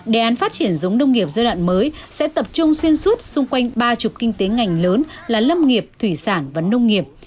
đề án phát triển giống nông nghiệp giai đoạn mới sẽ tập trung xuyên suốt xung quanh ba mươi kinh tế ngành lớn là lâm nghiệp thủy sản và nông nghiệp